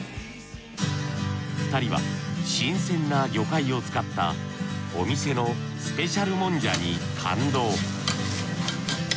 ２人は新鮮な魚介を使ったお店のスペシャルもんじゃに感動。